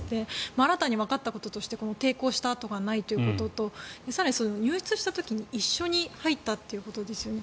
新たにわかったこととして抵抗した痕がないということと更に入室した時に一緒に入ったということですよね。